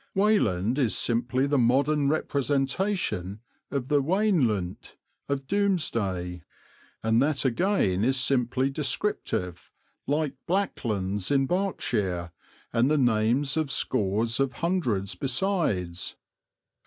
Weyland is simply the modern representation of the "Wanelunt" of Domesday, and that again is simply descriptive, like Blacklands in Berks, and the names of scores of Hundreds besides.